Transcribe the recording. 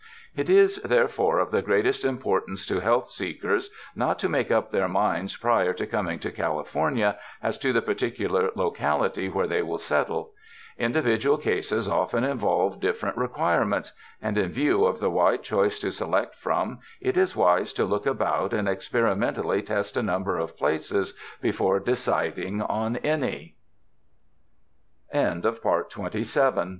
It is therefore of the greatest importance to health seekers not to make up their minds prior to coming to California, as to the particular locality where they will settle. Individual cases often involve dif ferent requirements, and in view of the wide choice to select from, it is wise to look about and experi mentally tes